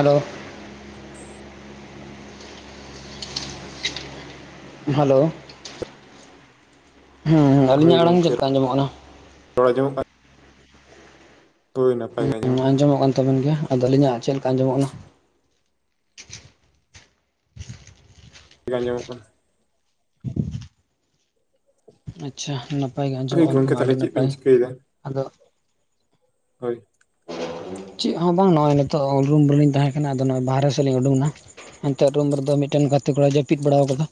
Hello [inaudible] hello ᱦᱩᱸ ᱟᱞᱤᱧᱟᱜ ᱦᱳᱭ ᱟᱲᱟᱝ ᱪᱮᱫ ᱜᱚᱝᱠᱮ ᱞᱮᱠᱟ ᱟᱸᱡᱚᱢᱚᱜ ᱠᱟᱱᱟ ᱾ ᱨᱚᱲ ᱟᱸᱡᱚᱢᱚᱜ ᱠᱟ ᱛᱳᱭ ᱱᱟᱯᱟᱭ ᱜᱮ ᱟᱸᱡᱚᱢᱚᱜ ᱠᱟᱱ ᱛᱟᱵᱮᱱ ᱜᱮᱭᱟ ᱟᱫᱚ ᱟᱹᱞᱤᱧᱟᱜ ᱪᱮᱫ ᱞᱮᱠᱟ ᱟᱸᱡᱚᱢᱚᱜ ᱠᱟᱱᱟ ᱾ ᱟᱸᱡᱚᱢᱚᱜ ᱠᱟᱱᱟ ᱾ ᱟᱪᱪᱷᱟ ᱱᱟᱯᱟᱭ ᱜᱮ ᱟᱸᱡᱚᱢᱚᱜ ᱦᱳᱭ ᱠᱟᱱ ᱠᱷᱟᱱ ᱜᱚᱝᱠᱮ ᱢᱟ ᱛᱟᱦᱚᱞᱮ ᱟᱹᱰᱤ ᱪᱮᱫ ᱱᱟᱯᱟᱭ ᱵᱤᱱ ᱪᱤᱠᱟᱹᱭᱮᱫᱟ ᱟᱫᱚ ᱦᱳᱭ ᱪᱮᱫ ᱦᱚᱸ ᱵᱟᱝ ᱱᱚᱜᱼᱚᱭ ᱱᱤᱛᱚᱜ ᱨᱩᱢ ᱨᱮᱞᱤᱧ ᱛᱟᱦᱮᱸ ᱠᱟᱱᱟ ᱟᱫᱚ ᱱᱚᱜᱼᱚᱭ ᱵᱟᱦᱨᱮ ᱥᱮᱫ ᱞᱤᱧ ᱩᱰᱩᱠᱱᱟ ᱾ ᱮᱱᱛᱮ ᱨᱩᱢ ᱨᱮᱫᱚ ᱢᱤᱫᱴᱮᱱ ᱜᱟᱛᱮ ᱠᱚᱲᱟᱭ ᱡᱟᱹᱯᱤᱫ ᱵᱟᱲᱟᱣ ᱠᱟᱫᱟ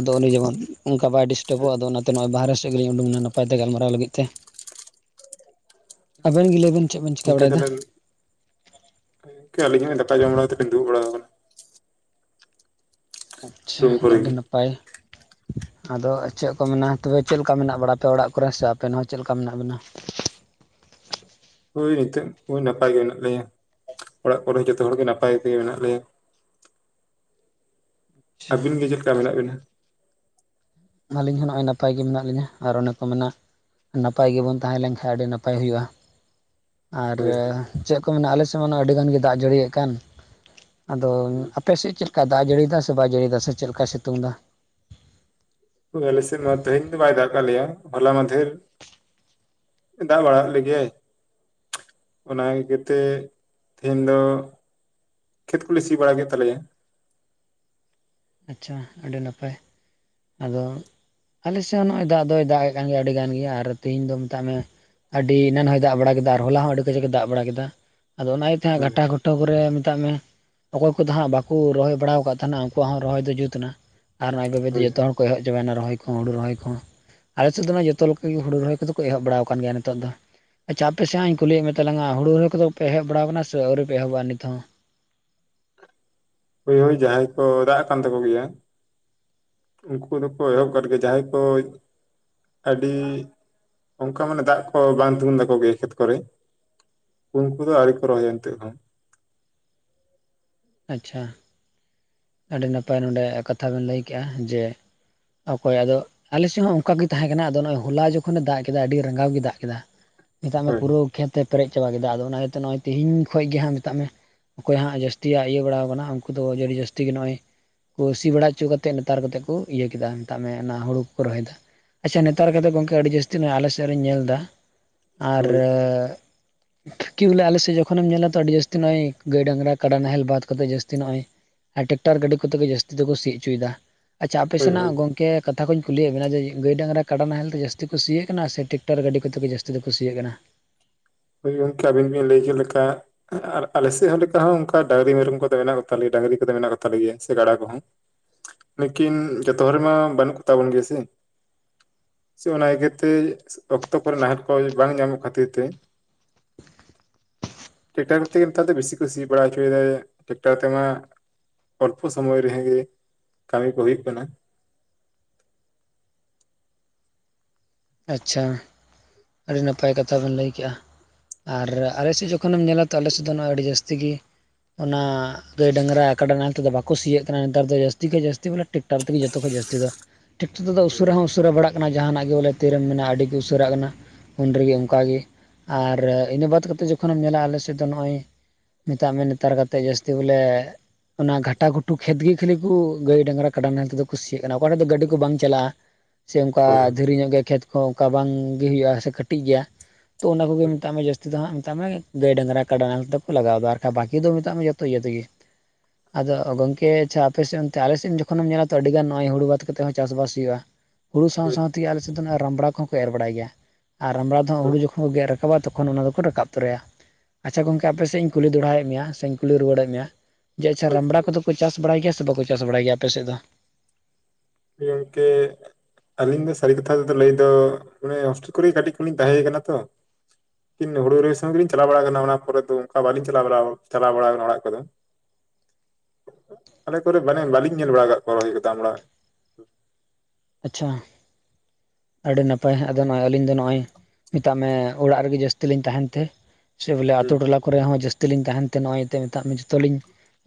ᱟᱫᱚ ᱩᱱᱤ ᱡᱮᱢᱚᱱ ᱚᱱᱠᱟ ᱵᱟᱭ ᱰᱤᱥ ᱦᱳᱭ ᱴᱟᱯᱚᱜ ᱟᱫᱚ ᱚᱱᱟᱛᱮ ᱱᱚᱜ-ᱚᱭ ᱵᱟᱦᱨᱮ ᱥᱮᱫ ᱜᱮᱞᱤᱧ ᱩᱰᱩᱠᱱᱟ ᱱᱟᱯᱟᱭ ᱛᱮ ᱜᱟᱞᱢᱟᱨᱟᱣ ᱞᱟᱹᱜᱤᱫ ᱛᱮ ᱾ ᱟᱵᱮᱱ ᱜᱮ ᱞᱟᱹᱭᱵᱱ ᱪᱮᱫ ᱵᱮᱱ ᱪᱮᱫ ᱵᱤᱱ ᱜᱚᱢᱠᱮ ᱛᱟᱦᱚᱞᱮ ᱟᱹᱞᱤᱧᱟᱜ ᱫᱟᱠᱟ ᱡᱚᱢ ᱵᱟᱲᱟ ᱠᱟᱛᱮ ᱞᱤᱧ ᱫᱩᱲᱩᱵ ᱵᱟᱲᱟ ᱟᱠᱟᱱᱟ ᱾ ᱟᱪᱪᱷᱟ ᱨᱩᱢ ᱠᱚᱨᱮ ᱟᱹᱰᱤ ᱜᱮ ᱱᱟᱯᱟᱭ ᱾ ᱟᱫᱚ ᱪᱮᱫ ᱠᱚ ᱢᱮᱱᱟ ᱛᱚᱵᱮ ᱪᱮᱫ ᱞᱮᱠᱟ ᱢᱮᱱᱟᱜ ᱵᱟᱲᱟ ᱟᱯᱮ ᱚᱲᱟᱜ ᱠᱚᱨᱮ ᱥᱮ ᱟᱯᱮᱱ ᱦᱚᱸ ᱪᱮᱫ ᱞᱮᱠᱟ ᱢᱮᱱᱟᱜ ᱵᱮᱱᱟ ᱾ ᱦᱳᱭ ᱮᱱᱛᱮᱜ ᱦᱳᱭ ᱱᱟᱯᱟᱭ ᱜᱮ ᱢᱮᱱᱟᱜ ᱞᱮᱭᱟ ᱚᱲᱟᱜ ᱠᱚᱨᱮ ᱡᱚᱛᱚ ᱦᱚᱲ ᱜᱮ ᱱᱟᱯᱟᱭ ᱛᱮᱜᱮ ᱢᱮᱱᱟᱜ ᱞᱮᱭᱟ ᱾ ᱟᱪᱪᱷᱟ ᱟᱹᱵᱤᱱ ᱜᱮ ᱪᱮᱫ ᱞᱮᱠᱟ ᱢᱮᱱᱟᱜ ᱵᱤᱱᱟ ᱾ ᱟᱹᱞᱤᱧ ᱦᱚᱸ ᱱᱚᱜᱼᱭ ᱱᱟᱯᱟᱭ ᱜᱮ ᱢᱮᱱᱟᱜ ᱞᱤᱧᱟᱹ ᱟᱨ ᱚᱱᱮ ᱠᱚ ᱢᱮᱱᱟ ᱱᱟᱯᱟᱭ ᱜᱮᱵᱚᱱ ᱛᱟᱦᱮᱸ ᱞᱮᱱ ᱠᱷᱟᱡ ᱟᱹᱰᱤ ᱱᱟᱯᱟᱭ ᱦᱩᱭᱩᱜᱼᱟ ᱾ ᱟᱨ ᱦᱳᱭ ᱪᱮᱫ ᱠᱚ ᱢᱮᱱᱟ ᱟᱞᱮ ᱥᱮᱫ ᱢᱟ ᱟᱹᱰᱤᱜᱟᱱ ᱜᱮ ᱫᱟᱜ ᱡᱟᱹᱲᱤᱭᱮᱫ ᱠᱟᱱ ᱟᱫᱚ ᱟ ᱯᱮᱥᱮᱫ ᱪᱮᱫ ᱞᱮᱠᱟ ᱫᱟᱜ ᱡᱟᱹᱲᱤᱭᱮᱫᱟ ᱥᱮᱵᱟᱭ ᱡᱟᱹᱲᱤᱭᱫᱟ ᱥᱮ ᱪᱮᱫ ᱞᱮᱠᱟ ᱥᱤᱛᱩᱝ ᱮᱫᱟ? ᱟᱞᱮ ᱥᱮᱫ ᱢᱟ ᱛᱮᱦᱮᱧ ᱫᱚ ᱵᱟᱭ ᱫᱟᱜ ᱠᱟᱜ ᱞᱮᱭᱟ ᱦᱚᱞᱟ ᱢᱟᱫᱷᱮᱨ ᱫᱟᱜ ᱵᱟᱲᱟ ᱟᱜ ᱞᱮᱜᱮᱭᱟᱹᱭ ᱾ ᱚᱱᱟ ᱤᱭᱟᱹ ᱛᱮ ᱛᱮᱦᱤᱧ ᱫᱚ ᱠᱷᱮᱛ ᱠᱚᱞᱮ ᱥᱤ ᱵᱟᱲᱟ ᱠᱮᱫ ᱛᱟᱞᱮᱭᱟ ᱾ ᱟᱪᱪᱷᱟ ᱟᱹᱰᱤ ᱱᱟᱯᱟᱭ ᱟᱫᱚ ᱟᱞᱮ ᱥᱮᱫ ᱦᱚᱸ ᱱᱚᱜᱼᱚᱭ ᱫᱟᱜ ᱫᱚᱭ ᱫᱟᱜ ᱮᱫ ᱠᱟᱱ ᱜᱮᱭᱟ ᱟᱹᱰᱤ ᱜᱟᱱ ᱜᱮ ᱟᱨ ᱛᱮᱦᱤᱧ ᱫᱚ ᱢᱮᱛᱟᱜ ᱢᱮ ᱾ ᱟᱰᱤ ᱮᱱᱟᱱ ᱦᱚᱸᱭ ᱫᱟᱜ ᱵᱟᱲᱟ ᱠᱮᱫᱟ ᱟᱨ ᱦᱚᱞᱟ ᱦᱚᱸ ᱟᱹᱰᱤ ᱠᱟᱡᱟᱠ ᱮ ᱫᱟᱜ ᱵᱟᱲᱟ ᱠᱮᱫᱟ ᱟᱫᱚ ᱚᱱᱟ ᱡᱟᱦᱟᱸ ᱦᱳᱭ ᱜᱷᱟᱴᱟ ᱠᱩᱴᱟᱹ ᱠᱚᱨᱮ ᱢᱮᱛᱟᱜ ᱢᱮ ᱚᱠᱚᱭ ᱠᱚᱫᱚ ᱦᱟᱸᱜ ᱵᱟᱠᱚ ᱨᱚᱦᱚᱭ ᱵᱟᱲᱟ ᱟᱠᱟᱫ ᱛᱟᱦᱮᱱᱟ ᱾ ᱩᱝᱠᱩᱣᱟᱜ ᱦᱚᱸ ᱨᱚᱦᱚᱭ ᱫᱚ ᱡᱩᱛ ᱮᱱᱟ ᱟᱨ ᱱᱚᱜᱼᱭ ᱵᱟᱹᱵᱮᱭᱛᱮ ᱦᱳᱭ ᱡᱚᱛᱚ ᱦᱚᱲ ᱠᱚ ᱮᱦᱚᱵ ᱪᱟᱵᱟᱭᱮᱱᱟ ᱨᱚᱦᱚᱭ ᱠᱚ ᱦᱩᱲᱩ ᱨᱚᱦᱚᱭ ᱠᱚ ᱟᱞᱮ ᱥᱮᱫ ᱫᱚ ᱡᱚᱛᱚ ᱞᱮᱠᱟᱜᱮ ᱦᱩᱲᱩ ᱨᱚᱦᱚᱭ ᱠᱚᱫᱚ ᱠᱚ ᱮᱦᱚᱵ ᱵᱟᱲᱟᱣ ᱟᱠᱟᱱ ᱜᱮᱭᱟ ᱱᱤᱛᱚᱜ ᱫᱚ᱾ ᱟᱪᱪᱷᱟ ᱟᱯᱮ ᱥᱮᱭᱟᱜ ᱤᱧ ᱠᱩᱞᱤᱭᱮᱫ ᱢᱮ ᱛᱟᱞᱟᱝ ᱟ ᱦᱩᱲᱩ ᱨᱚᱦᱚᱭ ᱠᱚᱫᱚ ᱯᱮ ᱮᱦᱚᱵ ᱵᱟᱲᱟᱣ ᱟᱠᱟᱱᱟ ᱥᱮ ᱟᱹᱣᱨᱤ ᱯᱮ ᱮᱦᱚᱵᱚᱜ ᱟ ᱱᱤᱛᱚᱜ ᱦᱚᱸ? ᱦᱳᱭ ᱦᱳᱭ ᱡᱟᱦᱟᱸᱭ ᱠᱚ ᱫᱟᱜ ᱠᱟᱱ ᱛᱟᱠᱚ ᱜᱮᱭᱟ᱾ ᱩᱱᱠᱩ ᱫᱚᱠᱚ ᱮᱦᱚᱵ ᱟᱠᱟᱫ ᱜᱮᱭᱟ ᱡᱟᱦᱟᱸᱭ ᱠᱚ᱾ ᱟᱹᱰᱤ ᱚᱱᱠᱟ ᱢᱟᱱᱮ ᱫᱟᱜ ᱠᱚ ᱵᱟᱝ ᱛᱤᱸᱜᱩᱱ ᱫᱟᱠᱚ ᱜᱮ ᱠᱷᱮᱛ ᱠᱚᱨᱮ᱾ ᱩᱱᱠᱩ ᱫᱚ ᱟᱹᱣᱨᱤ ᱠᱚ ᱨᱚᱦᱚᱭᱼᱟ ᱱᱤᱛᱚᱜ ᱦᱚᱸ᱾ ᱟᱪᱪᱷᱟ᱾ ᱟᱹᱰᱤ ᱱᱟᱯᱟᱭ ᱱᱚᱰᱮ ᱠᱟᱛᱷᱟ ᱵᱮᱱ ᱞᱟᱹᱭ ᱠᱮᱫᱼᱟ ᱡᱮ ᱚᱠᱚᱭ ᱟᱫᱚ᱾ ᱟᱞᱮᱥᱮᱫ ᱦᱚᱸ ᱚᱱᱠᱟ ᱜᱮ ᱛᱟᱦᱮᱸ ᱠᱟᱱᱟ ᱟᱫᱚ ᱱᱚᱜ ᱚᱭ ᱦᱚᱞᱟ ᱡᱚᱠᱷᱚᱱᱮ ᱫᱟᱜ ᱠᱮᱫᱟ ᱟᱹᱰᱤ ᱨᱟᱸᱜᱟᱣ ᱜᱮ ᱫᱟᱜ ᱠᱮᱫᱟ᱾ ᱢᱮᱛᱟᱜ ᱢᱮ ᱦᱳᱭ ᱯᱩᱨᱟᱹ ᱠᱷᱮᱛ ᱮ ᱯᱮᱨᱮᱡ ᱪᱟᱵᱟ ᱠᱮᱫᱟ ᱟᱫᱚ ᱚᱱᱟ ᱤᱭᱟᱹᱛᱮ ᱱᱚᱜᱼᱚᱭ ᱛᱮᱦᱤᱧ ᱠᱷᱚᱱ ᱜᱮ ᱦᱟᱜ ᱢᱮᱛᱟᱜ ᱢᱮ᱾ ᱚᱠᱚᱭ ᱦᱟᱸᱜ ᱡᱟᱹᱥᱛᱤᱭᱟᱜ ᱤᱭᱟᱹ ᱵᱟᱲᱟᱣ ᱟᱠᱟᱱᱟ ᱩᱱᱠᱩ ᱫᱚ ᱟᱹᱰᱤ ᱡᱟᱹᱥ᱾ ᱥᱛᱤ ᱜᱮ ᱱᱚᱜ ᱚᱭ ᱥᱤ ᱵᱟᱲᱟ ᱦᱚᱪᱚ ᱠᱟᱛᱮᱫ ᱱᱮᱛᱟᱨ ᱠᱟᱛᱮᱫ ᱠᱚ ᱤᱭᱟᱹ ᱠᱮᱫᱟ ᱢᱮᱛᱟᱜ ᱢᱮ ᱚᱱᱟ ᱦᱳᱲᱩ ᱠᱚᱠᱚ ᱨᱚᱦᱚᱭ ᱮᱫᱟ᱾ ᱟᱪᱪᱷᱟ ᱱᱮᱛᱟᱨ ᱠᱟ ᱠᱟᱛᱮᱫ ᱜᱚᱢᱠᱮ ᱟᱹᱰᱤ ᱡᱟᱹᱥᱛᱤ ᱟᱞᱮ ᱥᱮᱫ ᱨᱤᱧ ᱧᱮᱞ ᱮᱫᱟ ᱟᱨ᱾ ᱦᱳᱭ ᱠᱤ ᱵᱚᱞᱮ ᱟᱞᱮᱥᱮᱫ ᱡᱚᱠᱷᱚᱱᱮᱢ ᱧᱮᱞ ᱟ ᱛᱚ ᱟᱹᱰᱤ ᱡᱟᱹᱥᱛᱤ ᱱᱚᱜᱼᱚᱭ ᱜᱟᱹᱭ ᱰᱟᱝᱨᱟ ᱠᱟᱰᱟ ᱱᱟᱦᱮᱞ ᱵᱟᱫ ᱠᱟᱛᱮᱜ ᱡᱟᱹᱥᱛᱤ ᱱᱚᱜᱼᱚᱭ᱾ ᱟᱨ ᱴᱨᱟᱠᱴᱟᱨ ᱜᱟᱹᱰᱤ ᱠᱚᱛᱮ ᱜᱮ ᱡᱟᱹᱥᱛᱤ ᱫᱚᱠᱚ ᱥᱤ ᱦᱚᱪᱚᱭᱮᱫᱟ ᱟᱪᱪᱷᱟ ᱟᱯᱮ ᱦᱳᱭ ᱦᱳᱭ ᱥᱮᱱᱟᱜ ᱜᱚᱝᱠᱮ᱾ ᱮ ᱠᱟᱛᱷᱟ ᱠᱚᱧ ᱠᱩᱞᱤᱭᱮᱫ ᱵᱮᱱᱟ ᱡᱮ ᱜᱟᱹᱭ ᱰᱟᱝᱨᱟ ᱠᱟᱰᱟ ᱱᱟᱦᱮᱞ ᱛᱮ ᱡᱟᱹᱥᱛᱤ ᱠᱩ ᱥᱤᱭᱮᱜ ᱠᱟᱱᱟ? ᱥᱮ ᱴᱮᱠᱴᱟᱨ ᱜᱟᱹᱰᱤ ᱠᱚᱛᱮ ᱜᱮ ᱡᱟᱹᱥᱛᱤ ᱫᱚ ᱠᱩ ᱥᱤᱭᱮᱜ ᱠᱟᱱᱟ? ᱦᱳᱭ ᱜᱚᱢᱠᱮ ᱟᱵᱤᱱ ᱵᱤᱱ ᱞᱟᱹᱭ ᱠᱮᱫ ᱞᱮᱠᱟ᱾ ᱟᱨ ᱟᱞᱮᱥᱮᱫ ᱞᱮᱠᱟ ᱦᱚᱸ ᱞᱮᱠᱟ ᱦᱚᱸ ᱚᱱᱠᱟ ᱰᱟᱝᱨᱤ ᱢᱮᱨᱚᱢ ᱠᱚᱫᱚ ᱢᱮᱱᱟᱜ ᱠᱚᱛᱟᱞᱮᱭᱟ ᱰᱟᱝᱨᱤ ᱠᱚᱫᱚ ᱢᱮᱱᱟᱜ ᱠᱚᱛᱟᱞᱮ ᱜᱮᱭᱟ ᱥᱮ ᱜᱟᱰᱟ ᱠᱚᱦᱚᱸ᱾ ᱞᱮᱠᱤᱱ ᱡᱚᱛᱚ ᱦᱚᱲ ᱨᱮᱱ ᱢᱟ ᱵᱟᱹᱱᱩᱜ ᱠᱚᱛᱟᱵᱚᱱ ᱜᱮᱭᱟ ᱥᱮ᱾ ᱥᱮ ᱚᱱᱟ ᱤᱭᱟᱹᱟᱹᱛᱮ ᱚᱠᱛᱚ ᱠᱚᱨᱮ ᱱᱟᱦᱮᱞ ᱠᱚ ᱵᱟᱝ ᱧᱟᱢᱚᱜ ᱠᱷᱟᱹᱛᱤᱨ ᱛᱮ᱾ ᱴᱮᱠᱴᱟᱨ ᱠᱚᱨᱛᱮᱜᱮ ᱱᱮᱛᱟᱨ ᱫᱚ ᱵᱮᱥᱤ ᱠᱚ ᱠᱩ ᱥᱤ ᱵᱟᱲᱟ ᱦᱚᱪᱚᱭᱮᱫᱟ ᱴᱮᱠᱴᱟᱨ ᱛᱮᱢᱟ᱾ ᱚᱞᱯᱚ ᱥᱚᱢᱚᱭ ᱨᱮᱦᱚᱸ ᱜᱮ ᱠᱟᱹᱢᱤ ᱠᱚ ᱦᱩᱭᱩᱜ ᱠᱟᱱᱟ᱾ ᱟᱪᱪᱷᱟ ᱟᱹᱰᱤ ᱱᱟᱯᱟᱭ ᱠᱟᱛᱷᱟ ᱵᱮᱱ ᱞᱟᱹᱭ ᱠᱮᱫ ᱟ᱾ ᱟᱨ ᱟᱞᱮ ᱥᱮᱫ ᱡᱚᱠᱷᱚᱱ ᱮᱢ ᱧᱮᱞᱟ ᱛᱚ ᱟᱞᱮ ᱥᱮᱫ ᱫᱚ ᱟᱹᱰᱤ ᱡᱟᱹᱥᱛᱤ ᱜᱮ᱾ ᱚᱱᱟ ᱜᱟᱹᱭ ᱰᱟᱝᱨᱟ ᱠᱟᱰᱟ ᱱᱟᱮᱞ ᱛᱮᱫᱚ ᱵᱟᱠᱚ ᱥᱤᱭᱟᱹᱜ ᱠᱟᱱᱟ ᱱᱮᱛᱟᱨ ᱫᱚ ᱡᱟᱹᱥᱛᱤ ᱠᱷᱚᱱ ᱡᱟᱹᱥᱛᱤ ᱵᱚᱞᱮ᱾ ᱴᱟᱠᱴᱟᱨ ᱛᱮᱜᱮ ᱡᱚᱛᱚ ᱠᱷᱚᱱ ᱡᱟᱹᱥᱛᱤ ᱫᱚ ᱴᱨᱟᱠᱴᱚᱨᱝ ᱛᱮᱫᱚ ᱦᱳᱭ ᱩᱥᱟᱹᱨᱟ ᱦᱚᱸ ᱩᱥᱟᱹᱨᱟ ᱵᱟᱲᱟᱜ ᱠᱟᱱᱟ ᱡᱟᱦᱟᱱᱟᱜ ᱜᱮ ᱵᱚᱞᱮ᱾ ᱛᱤᱨ ᱨᱮᱢ ᱢᱮᱱᱟ ᱟᱹᱰᱤ ᱜᱮᱢ ᱩᱥᱟᱹᱨᱟᱜ ᱠᱟᱱᱟ᱾ ᱩᱱ ᱨᱮᱜᱮ ᱚᱱᱠᱟᱜᱮ ᱟᱨ ᱤᱱᱟᱹ ᱵᱟᱫᱽ ᱠᱟᱛᱮᱫ ᱡᱚᱠᱷᱚᱱᱮᱢ ᱧᱮᱞᱟ ᱟᱞᱮᱥᱮᱫ ᱫᱚ ᱱᱚᱜᱼᱚᱭ᱾ ᱱᱮᱛᱟᱜ ᱢᱟ ᱱᱮᱛᱟᱨ ᱠᱟᱛᱮᱫ ᱡᱟᱹᱥᱛᱤ ᱵᱚᱞᱮ᱾ ᱚᱱᱟ ᱜᱷᱟᱴᱟ ᱜᱷᱩᱴᱩ ᱠᱷᱮᱛ ᱜᱮ ᱠᱷᱟᱹᱞᱤ ᱠᱚ ᱜᱟᱹᱭ ᱰᱟᱝᱨᱟ ᱠᱟᱰᱟ ᱱᱟᱦᱮᱞ ᱛᱮᱫᱚ ᱠᱩ ᱥᱤᱭᱟᱜ ᱠᱟᱱᱟ ᱚᱠᱟᱴᱷᱮᱱ ᱫᱚ ᱜᱟᱹᱰᱤ ᱠᱚ ᱵᱟᱝ ᱪᱟᱞᱟᱜᱼᱟ᱾ ᱥᱮ ᱚᱱᱠᱟ ᱦᱳᱭ ᱫᱷᱤᱨᱤ ᱧᱚᱜ ᱜᱮᱭᱟ ᱠᱷᱮᱛ ᱠᱚᱦᱚᱸ ᱚᱱᱠᱟ ᱵᱟᱝ ᱜᱮ ᱦᱩᱭᱩᱜᱼᱟ ᱥᱮ ᱠᱟᱹᱴᱤᱡ ᱜᱮᱭᱟ᱾ ᱛᱚ ᱚᱱᱟ ᱠᱚᱜᱮ ᱦᱳᱭ ᱢᱮᱛᱟᱜ ᱢᱮ ᱡᱟᱹᱥᱛᱤ ᱫᱚ ᱦᱟᱸᱜ ᱢᱮᱛᱟᱜ ᱢᱮ ᱜᱟᱹᱭ ᱰᱟᱝᱨᱟ ᱠᱟᱰᱟᱝ ᱛᱮᱠᱚ ᱞᱟᱜᱟᱣ ᱮᱫᱟ ᱟᱨ ᱵᱟᱠᱷᱟᱱ ᱵᱟᱹᱠᱤ ᱫᱚ ᱢᱮᱛᱟᱜ ᱢᱮ ᱡᱚᱛᱚ᱾ [unintelligible] ᱟᱫᱚ ᱜᱚᱝᱠᱮ ᱟᱪᱷᱟ ᱟᱯᱮᱥᱮᱫ ᱚᱱᱛᱮ ᱟᱞᱮ ᱥᱮᱫ ᱡᱚᱠᱷᱚᱱᱮᱢ ᱧᱮᱞᱟ ᱛᱚ ᱟᱹᱰᱤ ᱜᱟᱱ ᱱᱚᱜᱼᱚᱭ ᱦᱩᱲᱩ ᱵᱟᱫ ᱠᱟᱛᱮ ᱦᱚᱸ ᱟᱹᱰᱤ ᱜᱟᱱ ᱪᱟᱥᱵᱟᱥ ᱦᱩᱭᱩᱜᱼᱟ᱾ ᱦᱩᱲᱩ ᱥᱟᱶ ᱦᱳᱭ ᱥᱟᱶᱛᱮᱜᱮ ᱟᱞᱮ ᱥᱮᱫ ᱫᱚ ᱨᱟᱢᱲᱟ ᱠᱚᱦᱚᱸ ᱠᱚ ᱮᱨ ᱵᱟᱲᱟᱭ ᱜᱮᱭᱟ ᱟᱨ ᱨᱟᱢᱲᱟ ᱫᱚ ᱦᱩᱲᱩ ᱦᱳᱭ ᱡᱚᱠᱷᱚᱱ᱾ ᱜᱮᱫ ᱨᱟᱠᱟᱵᱟ ᱛᱚᱠᱷᱚᱱ ᱚᱱᱟ ᱫᱚᱠᱚ ᱨᱟᱠᱟᱵ ᱛᱚᱨᱟᱭᱟ᱾ ᱟᱪᱪᱷᱟ ᱜᱚᱢᱠᱮ ᱟᱯᱮᱥᱮᱫ ᱤᱧ ᱠᱩᱞᱤ ᱫᱚᱦᱟᱣᱮᱫ ᱢᱮᱭᱟᱥᱮᱧ ᱠᱩᱞᱤ ᱨᱩᱣᱟᱹᱲᱮᱫ ᱢᱮᱭᱟ? ᱡᱮ ᱟᱪᱪᱷᱟ ᱦᱳᱭ ᱨᱟᱢᱲᱟ ᱠᱚᱫᱚ ᱠᱚ ᱪᱟᱥ ᱵᱟᱲᱟᱭ ᱜᱮᱭᱟ ᱥᱮ ᱵᱟᱠᱚ ᱪᱟᱥ ᱵᱟᱲᱟᱭ ᱜᱮᱭᱟ ᱟᱯᱮᱥᱮᱫ ᱫᱚ? ᱜᱚᱢᱠᱮ ᱾ ᱟᱞᱤᱧ ᱫᱚ ᱥᱟᱹᱨᱤ ᱠᱟᱛᱷᱟ ᱛᱮᱫᱚ ᱞᱟᱹᱭ ᱫᱚ ᱢᱟᱱᱮ ᱦᱚᱥᱴᱮᱞ ᱠᱚᱨᱮ ᱜᱮ ᱠᱟᱹᱴᱤᱡ ᱠᱷᱚᱱᱞᱤᱧ ᱛᱟᱦᱮᱸᱭ ᱠᱟᱱᱟ ᱛᱚ᱾ ᱠᱤᱱ ᱦᱩᱲᱩ ᱨᱚᱦᱚᱭ ᱥᱚᱸᱜ ᱜᱮᱞᱤᱧ ᱪᱟᱞᱟᱣ ᱵᱟᱲᱟ ᱟᱠᱟᱱᱟ ᱚᱱᱟ ᱠᱚᱨᱮ ᱫᱚ ᱚᱱᱠᱟ ᱵᱟᱞᱤᱧ ᱪᱟᱞᱟᱣ ᱪᱟᱞᱟᱣ ᱵᱟᱲᱟ ᱟᱠᱟᱱᱟ ᱚᱲᱟᱜ ᱠᱚᱫᱚ᱾ [inaudible] ᱟᱞᱮ ᱠᱚᱨᱮ ᱢᱟᱱᱮ ᱵᱟᱞᱤᱧ ᱧᱮᱞ ᱵᱟᱲᱟ ᱠᱟᱜ ᱠᱚᱣᱟ [inaudible] ᱟᱪᱪᱷᱟ ᱟᱹᱰᱤ ᱱᱟᱯᱟᱭ ᱦᱟᱸᱜ ᱟᱫᱚ ᱱᱚᱜᱼᱚᱭ ᱟᱹᱞᱤᱧ ᱫᱚ ᱱᱚᱜᱼᱚᱭ᱾ ᱢᱮᱛᱟᱜ ᱢᱮ ᱚᱲᱟᱜ ᱨᱮᱜᱮ ᱡᱟᱹᱥᱛᱤ ᱞᱤᱧ ᱛᱟᱦᱮᱱ ᱛᱮ ᱥᱮ ᱵᱚᱞᱮ ᱟᱛᱳ ᱦᱩᱸ ᱴᱚᱞᱟ᱾ ᱠᱚᱨᱮ ᱦᱚᱸ ᱡᱟᱹᱥᱛᱤ ᱞᱤᱧ ᱛᱟᱦᱮᱱᱛᱮ ᱱᱚᱜᱼᱚᱭ ᱮᱛᱮ ᱢᱮᱛᱟᱜ ᱢᱮ ᱡᱚᱛᱚᱞᱤᱧ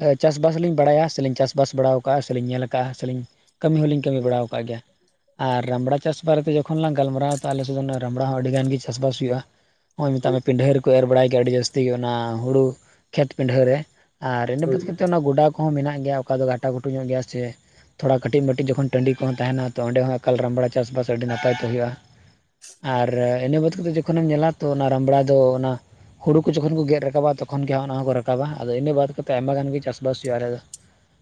ᱮ ᱪᱟᱥᱵᱟᱥᱞᱤᱧ ᱵᱟᱲᱟᱭᱟ ᱥᱮᱞᱤᱧ ᱪᱟᱥᱵᱟᱥ ᱵᱟᱲᱟ ᱟᱠᱟᱜᱼᱟ ᱥᱮᱞᱤᱧ ᱧᱮᱞ ᱟᱠᱟᱫᱼᱟ ᱥᱮᱞᱤᱧ ᱠᱟᱹᱢᱤ ᱦᱚᱞᱤᱧ ᱠᱟᱹᱢᱤ ᱵᱟᱲᱟᱣ ᱟᱠᱟᱫ ᱜᱮᱭᱟ᱾ ᱟᱨ ᱨᱟᱢᱲᱟ ᱪᱟᱥ ᱵᱟᱨᱮᱛᱮ ᱡᱚᱠᱷᱚᱱ ᱞᱟᱝ ᱜᱟᱞᱢᱟᱨᱟᱣ ᱛᱚ ᱟᱞᱮᱥᱮᱫ ᱫᱚ ᱚᱱᱚ ᱨᱟᱢᱲᱟ ᱦᱚᱸ ᱟᱹᱰᱤ ᱜᱟᱱ ᱜᱮ ᱪᱟᱥᱵᱟᱥ ᱦᱩᱭᱩᱜᱼᱟ᱾ ᱦᱚᱸᱜ-ᱚᱭ ᱢᱮᱛᱟᱜ ᱦᱳᱭ ᱢᱮ ᱯᱤᱱᱰᱷᱟᱹ ᱨᱮᱠᱚ ᱮᱨ ᱵᱟᱲᱟᱭ ᱜᱮᱭᱟ ᱟᱹᱰᱤ ᱡᱟᱹᱥᱛᱤ ᱜᱮ ᱚᱱᱟ ᱦᱩᱲᱩ ᱠᱷᱮᱛ ᱯᱤᱱᱰᱷᱟᱹ ᱨᱮ᱾ ᱟᱨ ᱤᱱᱟᱹ ᱦᱳᱭ ᱵᱟᱛ ᱠᱟᱛᱮ ᱚᱱᱟ ᱜᱚᱰᱟ ᱠᱚ ᱦᱚᱸ ᱢᱮᱱᱟᱜ ᱜᱮᱭᱟ ᱚᱠᱟ ᱫᱚ ᱜᱷᱟᱴᱟ ᱜᱷᱩᱴᱩ ᱧᱚᱜ ᱜᱮᱭᱟ ᱥᱮ ᱛᱷᱚᱲᱟ ᱠᱟᱹᱴᱤᱡ ᱢᱟᱹᱴᱤᱡ ᱡᱚᱠᱷᱚᱱ ᱴᱟᱺᱰᱤ ᱠᱚᱦᱚᱸ ᱛᱟᱦᱮᱱᱟ᱾ ᱛᱚ ᱚᱸᱰᱮ ᱦᱚᱸ ᱮᱠᱟᱞ ᱨᱟᱢᱲᱟ ᱪᱟᱥᱵᱟᱥ ᱟᱹᱰᱤ ᱱᱟᱯᱟᱭ ᱛᱮ ᱦᱩᱭᱩᱜ-ᱟ᱾ ᱟᱨ ᱤᱱᱟᱹ ᱵᱟᱫ ᱠᱟᱛᱮ ᱡᱚᱠᱷᱚᱱᱮᱢ ᱧᱮᱞᱟ ᱛᱚ ᱚᱱᱟ ᱨᱟᱢᱲᱟ ᱫᱚ ᱚᱱᱟ ᱦᱩᱲᱩ ᱠᱚ ᱡᱚᱠᱷᱚᱱ ᱠᱚ ᱜᱮᱫ ᱨᱟᱠᱟᱵᱟ ᱛᱚᱠᱷᱚᱱ ᱜᱮ ᱦᱚᱸᱜ-ᱚᱱᱟ ᱦᱚᱸᱠᱚ ᱨᱟᱠᱟᱵᱟ᱾ ᱟᱫᱚ ᱤᱱᱟᱹ ᱵᱟᱫ ᱠᱟᱛᱮ ᱟᱭᱢᱟ ᱜᱟᱱ ᱜᱮ ᱪᱟᱥᱵᱟᱥ ᱦᱩᱭᱩᱜ-ᱟ ᱟᱞᱮ ᱫᱚ᱾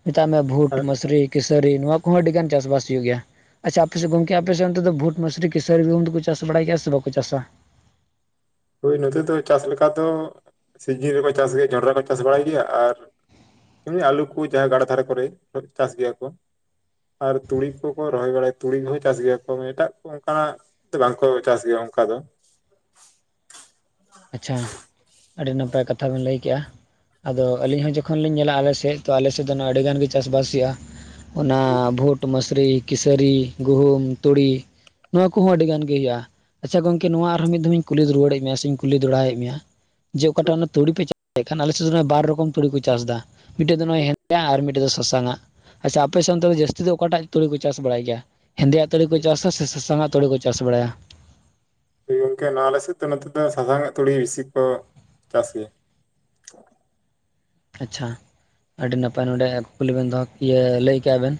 ᱢᱮᱛᱟᱜ ᱢᱮ ᱵᱷᱩᱴ, ᱟᱨ ᱢᱟᱹᱥᱨᱤ, ᱠᱤᱥᱟᱹᱨᱤ ᱱᱚᱣᱟ ᱠᱚᱦᱚᱸ ᱟᱹᱰᱤ ᱜᱟᱱ ᱪᱟᱥᱵᱟᱥ ᱦᱩᱭᱩᱜ ᱜᱮᱭᱟ᱾ ᱟᱪᱪᱷᱟ ᱟᱯᱮᱥᱮᱫ ᱜᱚᱝᱠᱮ ᱟᱯᱮᱥᱮᱫ ᱚᱱ ᱛᱮᱫᱚ ᱵᱷᱩᱴ, ᱢᱟᱹᱥᱨᱤ, ᱠᱤᱥᱟᱹᱨᱤ, ᱜᱩᱦᱩᱢ ᱫᱚᱠᱚ ᱪᱟᱥ ᱵᱟᱲᱟᱭ ᱜᱮᱭᱟ ᱥᱮ ᱵᱟᱠᱚ ᱪᱟᱥᱟ? ᱦᱳᱭ ᱱᱚᱛᱮ ᱫᱚ ᱪᱟᱥ ᱞᱮᱠᱟ ᱫᱚ ᱥᱤᱡᱤᱱ ᱨᱮᱠᱚ ᱪᱟᱥ ᱜᱮᱭᱟ ᱡᱚᱱᱰᱨᱟ ᱠᱚ ᱪᱟᱥ ᱵᱟᱲᱟᱭ ᱜᱮᱭᱟ ᱟᱨ ᱮᱢᱱᱤ ᱟᱞᱩ ᱠᱚ ᱡᱟᱦᱟᱭ ᱜᱟᱰᱟ ᱫᱷᱟᱨᱮ ᱠᱚᱨᱮ ᱪᱟᱥ ᱜᱮᱭᱟ ᱠᱚ᱾ ᱟᱨ ᱛᱩᱲᱤ ᱠᱚᱠᱚ ᱨᱚᱦᱚᱭ ᱵᱟᱲᱟᱭ, ᱛᱩᱲᱤ ᱠᱚᱦᱚᱸ ᱪᱟᱥ ᱜᱮᱭᱟ ᱠᱚ ᱮᱴᱟᱜ ᱠᱚ ᱚᱱᱠᱟᱱᱟᱜ ᱛᱮ ᱵᱟᱝ ᱠᱚ ᱪᱟᱥ ᱜᱮᱭᱟ ᱚᱱᱠᱟ ᱫᱚ᱾ ᱟᱪᱪᱷᱟ ᱟᱹᱰᱤ ᱱᱟᱯᱟᱭ ᱠᱟᱛᱷᱟ ᱵᱮᱱ ᱞᱟᱹᱭ ᱠᱮᱜ-ᱟ᱾ ᱟᱫᱚ ᱟᱹᱞᱤᱧ ᱦᱚᱸ ᱡᱚᱠᱷᱚᱱ ᱞᱤᱧ ᱧᱮᱞᱟ ᱟᱞᱮ ᱥᱮᱫ ᱛᱚ ᱟᱞᱮ ᱥᱮᱫ ᱫᱚ ᱱᱚᱣᱟ ᱟᱹᱰᱤ ᱜᱟᱱ ᱜᱮ ᱪᱟᱥᱵᱟᱥ ᱦᱩᱭᱩᱜᱼᱟ᱾ ᱚᱱᱟ ᱦᱳᱭ ᱵᱷᱩᱴ, ᱢᱟᱹᱥᱨᱤ, ᱠᱤᱥᱟᱹᱨᱤ, ᱜᱩᱦᱩᱢ, ᱛᱩᱲᱤ᱾ ᱱᱚᱣᱟ ᱠᱚᱦᱚᱸ ᱟᱹᱰᱤ ᱜᱟᱱ ᱜᱮ ᱦᱩᱭᱩᱜᱼᱟ᱾ ᱟᱪᱪᱷᱟ ᱜᱚᱝᱠᱮ ᱱᱚᱣᱟ ᱟᱨᱦᱚᱸ ᱢᱤᱫ ᱫᱷᱟᱢ ᱤᱧ ᱠᱩᱞᱤ ᱨᱩᱣᱟᱹᱲᱮᱫ ᱢᱮᱭᱟ ᱥᱮᱧ ᱠᱩᱞᱤ ᱫᱚᱲᱦᱟᱭᱮᱫ ᱢᱮᱭᱟ ᱡᱮ ᱚᱠᱟᱴᱟᱜ ᱚᱱᱟ ᱛᱩᱲᱤ ᱯᱮ ᱠᱷᱟᱱ ᱟᱞᱮ ᱥᱮᱫ ᱫᱚ ᱚᱱᱟ ᱵᱟᱨ ᱨᱚᱠᱚᱢ ᱛᱲᱤ ᱠᱚ ᱪᱟᱥᱫᱟ᱾ ᱢᱤᱫᱴᱮᱡ ᱫᱚ ᱱᱚᱜᱼᱚᱭ ᱦᱮᱸᱫᱮᱭᱟᱜ ᱟᱨ ᱢᱤᱫᱴᱮᱡ ᱫᱚ ᱥᱟᱥᱟᱝᱟᱜ᱾ ᱟᱪᱪᱷᱟ ᱟᱯᱮ ᱥᱮᱱ ᱚᱱᱛᱮ ᱫᱚ ᱡᱟᱹᱥᱛᱤ ᱫᱚ ᱚᱠᱟᱴᱟᱜ ᱛᱩᱲᱤ ᱠᱚ ᱪᱟᱥ ᱵᱟᱲᱟᱭ ᱜᱮᱭᱟ᱾ ᱦᱮᱸᱫᱮᱭᱟᱜ ᱛᱩᱲᱤ ᱠᱚ ᱪᱟᱥᱟ ᱥᱮ ᱥᱟᱥᱟᱝᱟᱜ ᱛᱩᱲᱤ ᱠᱚ ᱪᱟᱥ ᱵᱟᱲᱟᱭᱟ? ᱦᱳᱭ ᱜᱚᱝᱠᱮ ᱱᱚᱣᱟ ᱟᱞᱮ ᱥᱮᱫ ᱫᱚ ᱱᱚᱛᱮ ᱫᱚ ᱥᱟᱥᱟᱝᱜ ᱛᱩᱲᱤ ᱵᱤᱥᱤ ᱠᱚ ᱪᱟᱥ ᱜᱮᱭᱟ᱾ ᱟᱪᱪᱷᱟ᱾ ᱟᱹᱰᱤ ᱱᱟᱯᱟᱭ ᱱᱚᱰᱮ ᱠᱩᱠᱞᱤ ᱵᱮᱱ ᱫᱚᱦᱚ ᱤᱭᱟᱹ ᱞᱟᱹᱭ ᱠᱮᱜ-ᱟ ᱵᱮᱱ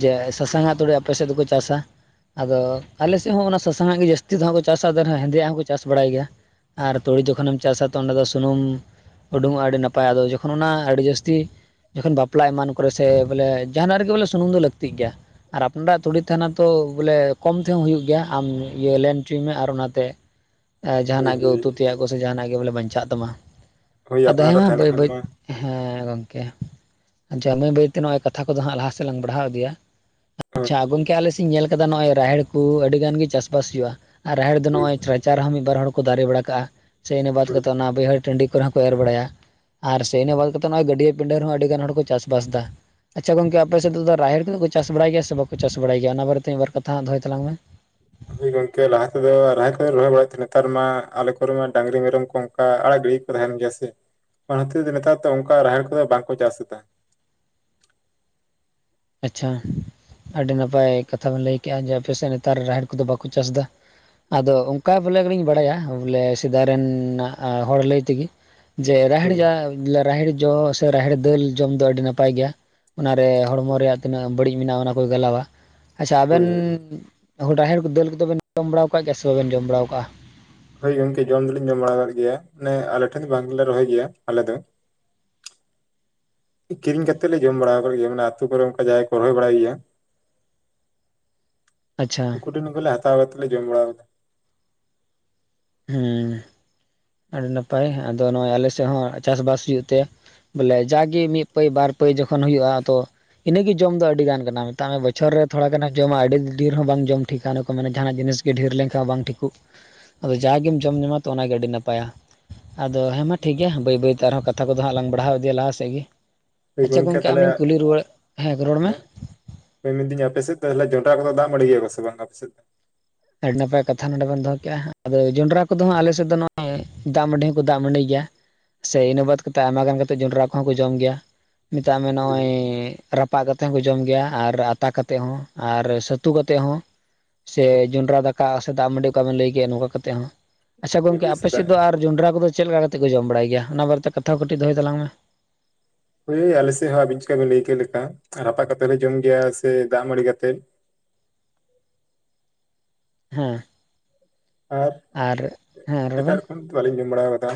ᱡᱮ ᱥᱟᱥᱟᱝᱟᱜ ᱛᱩᱲᱤ ᱟᱯᱮ ᱥᱮᱫ ᱫᱚᱠᱚ ᱪᱟᱥᱟ᱾ ᱟᱫᱚ ᱟᱞᱮ ᱥᱮᱫ ᱦᱚᱸ ᱚᱱᱟ ᱥᱟᱥᱟᱝᱟᱜ ᱜᱮ ᱡᱟᱹᱥᱛᱤ ᱫᱚ ᱦᱟᱸᱜ ᱠᱚ ᱪᱟᱥᱟ᱾ ᱟᱫᱚ ᱱᱟᱦᱟᱜ ᱦᱮᱸᱫᱮᱭᱟᱜ ᱦᱚᱸᱠᱚ ᱠᱚ ᱪᱟᱥ ᱵᱟᱲᱟᱭ ᱜᱮᱭᱟ᱾ ᱟᱨ ᱛᱩᱲᱤ ᱡᱚᱠᱷᱚᱱᱮᱢ ᱪᱟᱥᱟ ᱛᱚ ᱚᱸᱰᱮ ᱫᱚ ᱥᱩᱱᱩᱢ ᱩᱰᱩᱝᱚᱜᱼᱟ ᱟᱹᱰᱤ ᱱᱟᱯᱟᱭ ᱟᱫᱚ ᱠᱚᱠᱷ--᱾ ᱠᱷᱚᱱ ᱚᱱᱟ ᱟᱹᱰᱤ ᱡᱟᱹᱥᱛᱤ ᱡᱚᱠᱷᱚᱱ ᱵᱟᱯᱞᱟ ᱮᱢᱟᱱ ᱠᱚᱨᱮ ᱥᱮ ᱵᱚᱞᱮ ᱡᱟᱦᱟᱱᱟᱜ ᱨᱮᱜᱮ ᱵᱚᱞᱮ ᱥᱩᱱᱩᱢ ᱫᱚ ᱞᱟᱹᱠᱛᱤᱜ ᱜᱮᱭᱟ᱾ ᱟᱨ ᱟᱯᱱᱟᱨᱟᱜ ᱛᱩᱲᱤ ᱛᱟᱦᱮᱱᱟ ᱛᱚ ᱵᱚᱞᱮ ᱠᱚᱢ ᱛᱮᱦᱚᱸ ᱦᱩᱭᱩᱜ ᱜᱮᱭᱟ ᱟᱢ ᱤᱭᱟᱹ ᱞᱮᱱ ᱚᱪᱚᱭ ᱢᱮ ᱟᱨ ᱚᱱᱟ ᱛᱮ [inaudible] ᱮ ᱦᱳᱭ ᱡᱟᱦᱟᱱᱟᱜ ᱜᱮ ᱦᱳᱭ ᱩᱛᱩ ᱛᱮᱭᱟᱜ ᱠᱚ ᱥᱮ ᱡᱟᱦᱟᱱᱟᱜ ᱜᱮ ᱵᱚᱞᱮ ᱵᱟᱧᱪᱟᱜ ᱛᱟᱢᱟ᱾ ᱦᱳᱭ ᱟᱫᱚ ᱦᱮᱸ ᱟᱯᱱᱟᱨᱟᱜ ᱢᱟ ᱛᱟᱦᱮᱱ ᱵᱟᱹᱭ ᱠᱷᱟᱱ ᱵᱟᱹᱭ ᱢᱟ ᱦᱮᱸ ᱜᱚᱝᱠᱮ᱾ ᱟᱪᱪᱷᱟ ᱵᱟᱹᱭ ᱵᱟᱹᱭ ᱛᱮ ᱱᱚᱜᱼᱚᱭ ᱠᱟᱛᱷᱟ ᱠᱚᱫᱚ ᱦᱟᱸᱜ ᱞᱟᱦᱟ ᱥᱮᱫ ᱞᱟᱝ ᱵᱟᱲᱦᱟᱣ ᱤᱫᱤᱭᱟ᱾ ᱦᱳᱭ ᱟᱪᱪᱷᱟ ᱜᱚᱝᱠᱮ ᱟᱞᱮ ᱥᱮᱫ ᱤᱧ ᱧᱮᱞ ᱠᱟᱫᱟ ᱱᱚᱜᱼᱚᱭ ᱨᱟᱦᱮᱲ ᱠᱩ ᱟᱹᱰᱤ ᱜᱟᱱ ᱜᱮ ᱪᱟᱥᱵᱟᱥ ᱦᱩᱭᱩᱜᱼᱟ᱾ ᱟᱨ ᱨᱟᱦᱮᱲ ᱫᱚ ᱦᱳᱭ ᱱᱚᱜ-ᱚᱭ ᱨᱟᱪᱟ ᱨᱦᱚᱸ ᱢᱤᱫ ᱵᱟᱨ ᱦᱚᱲ ᱠᱚ ᱫᱟᱨᱮ ᱵᱟᱲᱟ ᱠᱟᱜᱼᱟ᱾ ᱥᱮ ᱤᱱᱟᱹ ᱵᱟᱫ ᱦᱳᱭ ᱠᱟᱛᱮ ᱚᱱᱟ ᱵᱟᱹᱭᱦᱟᱹᱲ ᱴᱟᱺᱰᱤ ᱠᱚᱮᱨᱮ ᱦᱚᱠᱚᱸ ᱮᱨ ᱵᱟᱲᱟᱭᱟ ᱟᱨ ᱥᱮ ᱤᱱᱟᱹ ᱵᱟᱫ ᱠᱟᱛᱮᱫ ᱱᱚᱜ-ᱚᱭ ᱜᱟᱹᱭᱟᱹ ᱯᱤᱸᱰᱟᱹ ᱨᱮ ᱦᱚᱸ ᱟᱹᱰᱤᱜᱟᱱ ᱦᱚᱲ ᱠᱚ ᱪᱟᱥᱵᱟᱥ ᱫᱟ᱾ ᱟᱪᱪᱷᱟ ᱜᱚᱝᱠᱮ ᱟᱯᱮ ᱥᱮᱫ ᱫᱚ ᱨᱟᱦᱮᱲ ᱠᱚᱫᱚ ᱠᱚ ᱪᱟᱥ ᱵᱟᱲᱟᱭ ᱜᱮᱭᱟ ᱥᱮ ᱵᱟᱠᱚ ᱪᱟᱥ ᱵᱟᱲᱟᱭ ᱜᱮᱭᱟ, ᱚᱱᱟ ᱵᱟᱨᱮ ᱛᱮ ᱢᱤᱫ ᱵᱟᱨ ᱠᱟᱛᱷᱟ ᱫᱚᱦᱚᱭ ᱛᱞᱟᱝ ᱢᱮ᱾ ᱦᱳᱭ ᱜᱚᱝᱠᱮ ᱞᱟᱦᱟ ᱛᱮᱫᱚ ᱨᱟᱦᱮᱲ ᱠᱚᱞᱮ ᱨᱚᱦᱚᱭ ᱵᱟᱲᱟᱭᱮᱫ ᱛᱮᱦᱮᱱᱟ ᱱᱮᱛᱟᱨ ᱢᱟ ᱟᱞᱮ ᱠᱚᱨᱮᱢᱟ ᱰᱟᱹᱝᱨᱤ ᱢᱮᱨᱚᱢ ᱠᱚ ᱠᱟ ᱟᱲᱟᱜ ᱜᱤᱲᱤ ᱜᱮᱠᱚ ᱛᱟᱦᱮᱱ ᱜᱮᱭᱟ ᱥᱮ᱾ ᱚᱱᱟ ᱦᱚᱛᱤᱨ ᱛᱮ ᱱᱮᱛᱟᱨ ᱫᱚ ᱚᱱᱠᱟ ᱨᱟᱦᱮᱲ ᱠᱚᱫᱚ ᱵᱟᱝᱠᱚ ᱪᱟᱥ ᱮᱫᱟ᱾ ᱟᱪᱪᱷᱟ᱾ ᱟᱹᱰᱤ ᱱᱟᱯᱟᱭ ᱠᱟᱛᱷᱟᱢ ᱵᱤᱱ ᱞᱟᱹᱭ ᱠᱮᱜ-ᱟ ᱡᱮ ᱟᱯᱮ ᱥᱮᱫ ᱱᱮᱛᱟᱨ ᱨᱟᱦᱮᱲ ᱠᱚᱫᱚ ᱵᱟᱠᱚ ᱪᱟᱥ ᱫᱟ᱾ ᱟᱫᱚ ᱚᱝᱠᱟ ᱵᱚᱞᱮ ᱜᱤᱲᱤᱧ ᱵᱟᱲᱟᱭᱟ ᱵᱚᱞᱮ ᱥᱮᱫᱟᱭ ᱨᱮᱱᱟᱜ ᱦᱚᱲ ᱞᱟᱹᱭ ᱛᱮᱜᱮ᱾ ᱡᱮ ᱨᱟᱦᱮᱲ ᱦᱳᱭ ᱡᱟ ᱨᱟᱦᱮᱲ ᱡᱚ, ᱥᱮ ᱨᱟᱦᱮᱲ ᱫᱟᱹᱞ ᱡᱚᱢ ᱫᱚ ᱟᱹᱰᱤ ᱱᱟᱯᱟᱭ ᱜᱮᱭᱟᱺ ᱚᱱᱟ ᱨᱮ ᱦᱚᱲᱢᱚ ᱛᱮᱭᱟᱜ ᱛᱤᱱᱟᱹᱜ ᱵᱟᱹᱲᱤᱡ ᱢᱮᱱᱟᱜᱼᱟ ᱚᱱᱟ ᱠᱚᱭ ᱜᱟᱞᱟᱣᱟ᱾ ᱟᱪᱪᱷᱟ ᱟᱵᱮᱱ ᱦᱳᱭ ᱦᱳᱭ ᱨᱟᱦᱮᱲ ᱠᱚ ᱫᱟᱹᱞ ᱠᱚᱫᱚ ᱵᱮᱱ ᱡᱚᱢ ᱵᱟᱲᱟᱟᱣ ᱠᱟᱜ ᱜᱮᱭᱟ ᱥᱮ ᱵᱟᱵᱮᱱ ᱡᱚᱢ ᱵᱟᱲᱟᱣ ᱠᱟᱜᱼᱟ? ᱦᱳᱭ ᱜᱚᱝᱠᱮ ᱡᱚᱢ ᱫᱚ ᱞᱤᱧ ᱡᱚᱢ ᱵᱟᱲᱟ ᱟᱠᱟᱫ ᱜᱮᱭᱟ᱾ ᱢᱟᱱᱮ ᱟᱞᱮ ᱴᱷᱮᱱ ᱫᱚ ᱵᱟᱝ ᱞᱮ ᱨᱚᱦᱚᱭ ᱜᱮᱭᱟ, ᱟᱞᱮ ᱫᱚ᱾ ᱠᱤᱨᱤᱧ ᱠᱟᱛᱮᱜ ᱞᱮ ᱡᱚᱢ ᱵᱟᱲᱟ ᱟᱠᱟᱫ ᱜᱮᱭᱟ᱾ ᱢᱟᱱᱮ ᱟᱹᱛᱩ ᱠᱚᱨᱮ ᱚᱱᱠᱟ ᱡᱟᱦᱟᱭ ᱠᱚ ᱨᱚᱦᱚᱭ ᱵᱟᱲᱟᱭ ᱜᱮᱭᱟ᱾ ᱟᱪᱪᱷᱟ᱾ ᱩᱱᱠᱩ ᱦᱟᱛᱟᱣ ᱠᱟᱛᱮ ᱡᱚᱢ ᱵᱟᱲᱟ ᱦᱩᱸ, ᱟᱹᱰᱤ ᱱᱟᱯᱟᱭ ᱟᱫᱚ ᱱᱚᱜᱼᱚᱭ ᱟᱞᱮ ᱥᱮᱫ ᱦᱚᱸ ᱪᱟᱥ ᱵᱟᱥ ᱦᱩᱭᱩᱜ ᱛᱮ᱾ ᱵᱚᱞᱮ ᱡᱟᱜᱮ ᱢᱤᱫ ᱯᱟᱹᱭ ᱵᱟᱨ ᱯᱟᱹᱭ ᱡᱚᱠᱷᱚᱱ ᱦᱩᱭᱩᱜᱼᱟ, ᱟᱫᱚ ᱤᱱᱟᱹ ᱜᱮ ᱡᱚᱢ ᱫᱚ ᱟᱹᱰᱤ ᱜᱟᱱ ᱠᱟᱱᱟ, ᱢᱮᱛᱟᱜ ᱢᱮ ᱵᱚᱪᱷᱚᱨ ᱨᱮ ᱛᱷᱚᱲᱟ ᱜᱟᱱ ᱡᱚᱢᱟ ᱟᱹᱰᱤ ᱰᱷᱮᱨ ᱦᱚᱸ ᱵᱟᱝ ᱡᱚᱢ ᱴᱷᱤᱠᱟ ᱠᱚ ᱢᱮᱱᱟ ᱡᱟᱦᱟᱱᱟᱜ ᱡᱤᱱᱤᱥ ᱰᱷᱤᱨ ᱞᱮᱱ ᱠᱷᱟᱡᱽ ᱵᱟᱝ ᱴᱷᱤᱠᱩᱜ ᱟᱫᱚ ᱡᱟᱜᱮ ᱡᱚᱢ ᱧᱟᱢᱟ ᱛᱚ ᱚᱱᱟᱜᱮ ᱟᱹᱰᱤ ᱱᱟᱯᱟᱭᱟ᱾ ᱟᱫᱚ ᱦᱮᱸ ᱢᱟ ᱴᱷᱤᱠ ᱜᱮᱭᱟ, ᱵᱟᱹᱭ ᱵᱟᱹᱭ ᱛᱮ ᱟᱨᱦᱚᱸ ᱠᱟᱛᱷᱟ ᱠᱚᱫᱚ ᱦᱟᱸᱜ ᱞᱟᱝ ᱵᱟᱲᱦᱟᱣ ᱤᱫᱤᱭᱟ, ᱞᱟᱦᱟ ᱥᱮᱜ ᱜᱮ ᱦᱳᱭ ᱟᱪᱪᱷᱟ ᱜᱚᱝᱠᱮ ᱛᱟᱦᱚᱞᱮ ᱟᱢᱤᱧ ᱠᱩᱞᱤ ᱨᱩᱣᱟᱹᱲ ᱦᱮᱸ ᱨᱚᱲ ᱢᱮ ᱦᱳᱭ ᱢᱮᱱᱫᱤᱧ ᱟᱯᱮ ᱥᱮᱫ ᱛᱟᱦᱚᱞᱮ ᱡᱚᱱᱰᱨᱟ ᱠᱚᱫᱚ ᱫᱟᱜ ᱢᱟᱸᱰᱤ ᱜᱮᱭᱟ ᱠᱚ ᱥᱮ ᱵᱟᱝ ᱟᱯᱮᱥᱮᱫ ᱟᱹᱰᱤ ᱱᱟᱯᱟᱭ ᱠᱟᱛᱷᱟ ᱱᱚᱰᱮ ᱵᱚᱱ ᱫᱚᱦᱚ ᱠᱮᱜᱼᱟ᱾ ᱟᱫᱚ ᱡᱚᱸᱰᱨᱟ ᱠᱚᱫᱚ ᱦᱟᱸᱜ ᱟᱞᱮ ᱥᱮᱫ ᱫᱚ ᱱᱚᱜᱼᱚᱭ ᱫᱟᱜ ᱢᱟᱹᱰᱤ ᱦᱚᱸᱠᱚ ᱫᱟᱜ ᱢᱟᱹᱰᱤ ᱜᱮᱭᱟ᱾ ᱥᱮ ᱤᱱᱟᱹ ᱵᱟᱫ ᱠᱟᱛᱮᱜ ᱟᱭᱢᱟ ᱜᱟᱱ ᱠᱟᱛᱮ ᱡᱚᱱᱰᱨᱟᱹ ᱠᱚᱦᱚᱸ ᱠᱚ ᱡᱚᱢ ᱜᱮᱭᱟ, ᱢᱮᱛᱟᱜ ᱢᱮ ᱱᱚᱜᱼᱚᱭ ᱨᱟᱯᱟᱜ ᱠᱟᱛᱮ ᱦᱚᱸᱠᱚ ᱡᱚᱢ ᱜᱮᱭᱟ ᱟᱨ ᱟᱛᱟ ᱠᱟᱛᱮ ᱦᱚᱸ ᱟᱨ ᱥᱟᱹᱛᱩ ᱠᱟᱛᱮ ᱦᱚᱸ ᱥᱮ ᱡᱚᱱᱰᱨᱟ ᱫᱟᱠᱟ ᱥᱮ ᱫᱟᱜ ᱢᱟᱹᱰᱤ ᱚᱠᱟ ᱵᱮᱱ ᱞᱟᱹᱭ ᱜᱮ ᱱᱚᱝᱠᱟ ᱠᱟᱛᱮ ᱦᱚᱸ ᱟᱪᱪᱷᱟ ᱦᱳᱭ ᱜᱚᱝᱠᱮ ᱦᱳᱭ ᱟᱯᱮ ᱥᱮᱫᱟᱜ ᱥᱮᱫ ᱫᱚ ᱟᱨ ᱡᱚᱱᱰᱨᱟ ᱠᱚᱫᱚ ᱪᱮᱫ ᱞᱮᱠᱟ ᱠᱟᱛᱮᱫ ᱠᱚ ᱡᱚᱢ ᱵᱟᱲᱟᱭ ᱜᱮᱭᱟ? ᱚᱱᱟ ᱵᱟᱨᱮ ᱛᱮ ᱠᱟᱛᱷᱟ ᱠᱚ ᱠᱟᱹᱴᱤᱡ ᱫᱚᱦᱚᱭ ᱛᱟᱞᱟᱝ ᱢᱮ ᱳᱭ ᱟᱞᱮᱥᱮᱜ ᱦᱚᱸ ᱟᱵᱤᱱ ᱪᱤᱠᱟᱵᱤᱱ ᱞᱟᱹᱭ ᱠᱮᱫ ᱞᱮᱠᱟ ᱨᱟᱯᱟᱜ ᱠᱟᱛᱮᱫ ᱞᱮ ᱡᱚᱢ ᱜᱮᱭᱟ ᱥᱮ ᱫᱟᱜ ᱢᱟᱹᱲᱤ ᱠᱟᱛᱮᱜ? ᱦᱮᱸ ᱟᱨ ᱦᱮᱸ ᱨᱚᱲ ᱮᱴᱟᱜ ᱵᱮᱱ ᱨᱚᱠᱚᱢ ᱵᱟᱞᱤᱧ ᱡᱚᱢ ᱵᱟᱲᱟᱣ ᱠᱟᱫᱟ᱾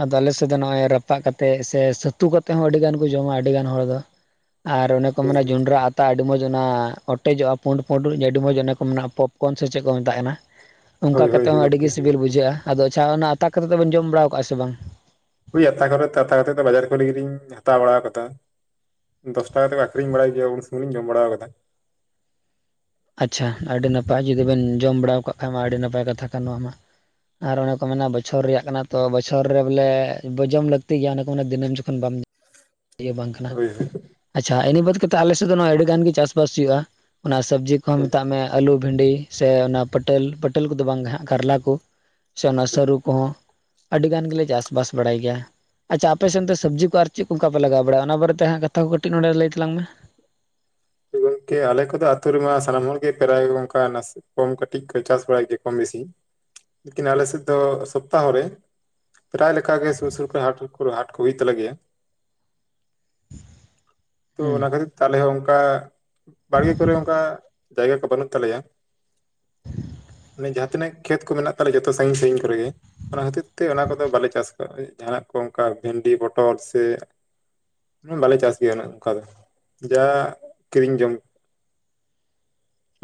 ᱟᱫᱚ ᱟᱞᱮᱥᱮᱫ ᱫᱚ ᱱᱚᱜ-ᱚᱭ ᱨᱟᱯᱟᱜ ᱠᱟᱛᱮᱜ ᱥᱮ ᱥᱷᱟᱹᱛᱩ ᱠᱟᱛᱮᱜ ᱦᱚᱸ ᱟᱹᱰᱤ ᱜᱟᱱ ᱠᱩ ᱡᱚᱢᱟ ᱟᱹᱰᱤ ᱜᱟᱱ ᱦᱚᱲ ᱫᱚ ᱟᱨ ᱚᱱᱮ ᱠᱚ ᱢᱮᱱᱟ ᱦᱳᱭ ᱡᱚᱸᱰᱽᱨᱟ ᱟᱛ ᱛᱟ, ᱟᱰᱤ ᱢᱚᱡᱽ ᱚᱱᱟ ᱚᱴᱮᱡᱚᱜᱼᱟ, ᱯᱩᱸᱰ ᱯᱩᱸᱰ ᱟᱰᱤ ᱢᱚᱡᱽ ᱚᱱᱟ ᱠᱚ ᱢᱮᱱᱟᱜᱼᱟ, ᱯᱚᱯᱠᱚᱨᱱ ᱥᱮ ᱪᱮᱫ ᱠᱚ ᱢᱮᱛᱟᱜ ᱠᱟᱱᱟ᱾ ᱚᱝᱠᱟ ᱦᱳᱭ ᱦᱳᱭ ᱠᱟᱛᱮᱜ ᱦᱚᱸ ᱟᱹᱰᱤ ᱜᱚᱢᱠᱮ ᱜᱤ ᱥᱤᱵᱤᱞ ᱵᱩᱡᱷᱟᱹᱜᱼᱟ᱾ ᱟᱫᱚ ᱟᱪᱪᱷᱟ ᱚᱱᱟ ᱟᱛᱟ ᱠᱟᱛᱮᱫ ᱫᱚᱵᱮᱱ ᱡᱚᱢ ᱵᱟᱲᱟᱣ ᱠᱟᱜᱼᱟ ᱥᱮ ᱵᱟᱝ? ᱳᱭ ᱟᱛᱟ ᱠᱚᱨᱮ ᱟᱛᱟ ᱠᱟᱛᱮᱫ ᱫᱚ ᱵᱟᱡᱟᱨ ᱠᱚᱨᱮ ᱜᱮᱞᱤᱧ ᱦᱟᱛᱟᱣ ᱵᱟᱲᱟᱣ ᱠᱟᱫᱟ᱾ ᱫᱚᱥ ᱴᱟᱠᱟ ᱠᱟᱛᱮ ᱠᱚ ᱟᱠᱷᱨᱤᱧ ᱵᱟᱲᱟᱭ ᱜᱮᱭᱟ ᱩᱱ ᱥᱩᱢᱚᱭ ᱞᱤᱧ ᱡᱚᱢ ᱵᱟᱲᱟᱣ ᱠᱟᱫᱟ᱾ ᱟᱪᱪᱷᱟ, ᱟᱹᱰᱤ ᱱᱟᱯᱟᱭ ᱡᱩᱫᱤ ᱵᱮᱱ ᱡᱚᱢ ᱵᱟᱲᱟᱣ ᱠᱟᱜ ᱠᱷᱟᱡᱽ ᱢᱟ ᱟᱹᱰᱤ ᱱᱟᱯᱟᱭ ᱠᱟᱛᱷᱟ ᱠᱟᱱ ᱱᱚᱣᱟ ᱢᱟ ᱟᱨ ᱚᱱᱮ ᱠᱚ ᱢᱮᱱᱟ ᱵᱚᱪᱷᱚᱨ ᱨᱮᱭᱟᱜ ᱠᱟᱱᱟ ᱛᱚ, ᱵᱚᱪᱷᱚᱨ ᱨᱮ ᱵᱚᱞᱮ ᱵᱚ ᱡᱚᱢ ᱞᱟᱹᱠᱛᱤ ᱜᱮᱭᱟ, ᱚᱱᱮ ᱠᱚ ᱢᱮᱱᱮ ᱫᱤᱱᱟᱹᱢ ᱡᱚᱠᱷᱚᱱ ᱵᱟᱢ ᱤᱭᱟᱹ ᱵᱟᱝ ᱠᱟᱱᱟ? ᱦᱳᱭ ᱦᱳᱭ ᱟᱪᱪᱷᱟ ᱤᱱᱟᱹ ᱵᱟᱫ ᱠᱟᱛᱮ ᱟᱞᱮᱥᱮᱫ ᱫᱚ ᱟᱹᱰᱤ ᱜᱟᱱ ᱜᱮ ᱪᱟᱥ ᱵᱟᱥ ᱦᱩᱭᱩᱜᱼᱟ᱾ ᱚᱱᱟ ᱥᱟᱵᱽᱡᱤ ᱠᱚᱦᱚᱸ ᱢᱮᱛᱟᱜ ᱢᱮ ᱟᱞᱩ ᱵᱷᱤᱸᱰᱤ ᱥᱮ ᱚᱱᱟ ᱯᱟᱹᱴᱟᱹᱞ ᱯᱟᱹᱴᱟᱹᱞ ᱠᱚᱫᱚ ᱵᱟᱝ ᱜᱮ ᱦᱟᱸᱜ ᱠᱟᱨᱞᱟ ᱠᱩ ᱥᱮ ᱚᱱᱟ ᱦᱳᱭ ᱥᱟᱹᱨᱩ ᱠᱚᱦᱚᱸ ᱟᱹᱰᱤ ᱜᱟᱱ ᱜᱮᱞᱮ ᱪᱟᱥ ᱵᱟᱥ ᱵᱟᱲᱟᱭ ᱜᱮᱭᱟ᱾ ᱟᱪᱪᱷᱟ, ᱟᱯᱮ ᱥᱮᱱ ᱫᱚ ᱥᱟᱵᱽᱡᱤ ᱠᱩ ᱟᱨ ᱪᱮᱫ ᱠᱩ ᱚᱝᱠᱟ ᱯᱮ ᱞᱟᱜᱟᱣ ᱵᱟᱲᱟᱜᱼᱟ᱾ ᱚᱱᱟ ᱵᱟᱨᱮᱛᱮ ᱦᱟᱸᱜ ᱠᱟᱛᱷᱟ ᱠᱚ ᱠᱟᱹᱴᱤᱡ ᱱᱚᱸᱰᱮ ᱞᱟᱹᱭ ᱛᱟᱞᱟᱝ ᱢᱮ? ᱜᱚᱝᱠᱮ ᱟᱞᱮ ᱠᱚᱫᱚ ᱟᱹᱛᱩ ᱨᱮᱢᱟ ᱥᱟᱱᱟᱢ ᱦᱚᱲ ᱜᱮ ᱯᱨᱟᱭ ᱜᱚᱝᱠᱟ ᱱᱟᱥᱮ ᱠᱚᱢ ᱠᱟᱹᱴᱤᱡ ᱠᱚ ᱪᱟᱥ ᱵᱟᱲᱟᱭ ᱜᱮᱭᱟ, ᱠᱚᱢ ᱵᱮᱥᱤ᱾ ᱞᱮᱠᱤᱱ ᱟᱞᱮ ᱥᱮᱫ ᱫᱚ ᱥᱚᱯᱛᱟᱦᱚ ᱨᱮ ᱯᱨᱟᱭ ᱞᱮᱠᱟ ᱜᱮ ᱥᱩᱨ ᱥᱩᱨ ᱠᱚᱨᱮ ᱦᱟᱴ ᱦᱟᱴ ᱠᱚ ᱦᱩᱭᱩᱜ ᱛᱟᱞᱮ ᱜᱮᱭᱟ᱾ [inaudible] ᱛᱚ ᱦᱮᱸ ᱚᱱᱟ ᱠᱷᱟᱹᱛᱤᱨ ᱛᱮ ᱟᱞᱮ ᱦᱚᱸ ᱚᱝᱠᱟ ᱵᱟᱲᱜᱮ ᱠᱚᱨᱮ ᱚᱝᱠᱟ ᱡᱟᱭᱜᱟ ᱠᱚ ᱵᱟᱱᱩᱜ ᱛᱟᱞᱮᱭᱟ᱾ ᱢᱟᱱᱮ ᱡᱟᱦᱟᱸ ᱛᱤᱱᱟᱹᱜ ᱠᱷᱮᱛ ᱠᱚ ᱢᱮᱱᱟᱜ ᱛᱟᱞᱮ, ᱡᱚᱛᱚ ᱥᱟᱺᱜᱤᱧ ᱥᱟᱺᱜᱤᱧ ᱠᱚᱨᱮ ᱜᱮ᱾ ᱚᱱᱟ ᱠᱷᱟᱹᱛᱤᱨ ᱛᱮ ᱚᱱᱟ ᱠᱚᱫᱚ ᱵᱟᱞᱮ ᱪᱟᱥ ᱟᱠᱟᱫᱟ᱾ ᱡᱟᱦᱟᱱᱟᱜ ᱠᱚ ᱚᱱᱠᱟ ᱵᱷᱮᱱᱰᱤ ᱯᱚᱴᱚᱞ ᱥᱮ ᱵᱟᱞᱮ ᱪᱟᱥ ᱜᱮᱭᱟ ᱩᱱᱟᱹᱜ ᱚᱱᱠᱟ ᱫᱚ ᱡᱟ ᱠᱤᱨᱤᱧ ᱡᱚᱢ